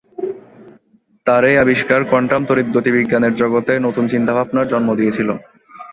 তার এই আবিষ্কার কোয়ান্টাম তড়িৎ-গতিবিজ্ঞানের জগতে নতুন চিন্তাধারার জন্ম দিয়েছিল।